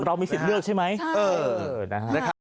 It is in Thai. เรามีสิทธิ์เลือกใช่ไหมนะครับใช่